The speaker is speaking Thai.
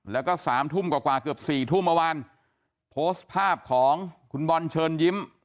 แล้วก็สามทุ่มกว่ากว่าเกือบสี่ทุ่มเมื่อวานโพสต์ภาพของคุณบอลเชิญยิ้ม